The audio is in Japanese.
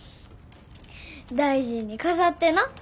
大事に飾ってな。